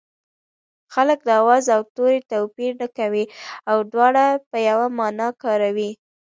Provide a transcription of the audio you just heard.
خلک د آواز او توري توپیر نه کوي او دواړه په یوه مانا کاروي